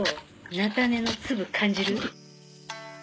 菜種の粒感じる？